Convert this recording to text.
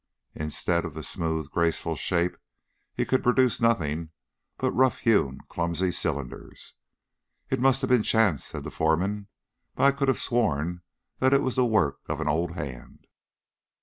Instead of the smooth graceful shape, he could produce nothing but rough hewn clumsy cylinders. "It must have been chance," said the foreman, "but I could have sworn that it was the work of an old hand!"